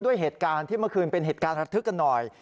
เหตุการณ์ที่เมื่อคืนเป็นเหตุการณ์ระทึกกันหน่อย